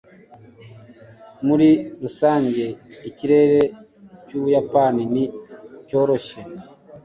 Muri rusange, ikirere cy'Ubuyapani ni cyoroshye.